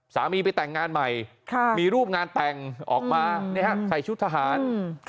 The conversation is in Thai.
สามีไปแต่งงานใหม่มีรูปงานแต่งออกมาใส่ชุดทหาร